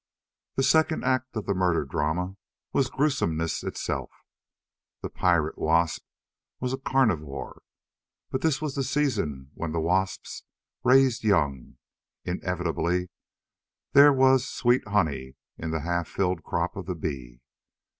The second act of the murder drama was gruesomeness itself. The pirate wasp was a carnivore, but this was the season when the wasps raised young. Inevitably there was sweet honey in the half filled crop of the bee.